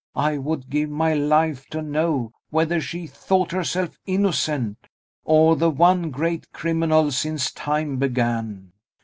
I would give my life to know whether she thought herself innocent, or the one great criminal since time began."